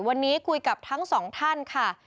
วันนี้คุยกับทั้งสองท่านค่ะ